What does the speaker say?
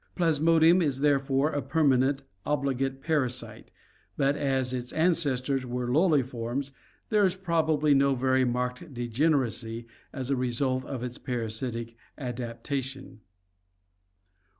Plasmodium is therefore a permanent, obligate parasite, but as its ancestors were lowly forms, there is probably no very marked degeneracy as a result of its parasitic adaptation.